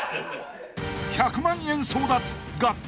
［１００万円争奪学校